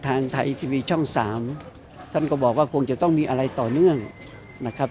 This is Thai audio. ทางไทยทีวีช่อง๓ท่านก็บอกว่าคงจะต้องมีอะไรต่อเนื่องนะครับ